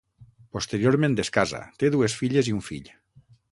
Posteriorment es casa, té dues filles i un fill.